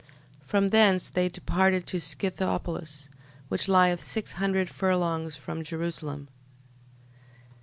12:29. From thence they departed to Scythopolis, which lieth six hundred furlongs from Jerusalem.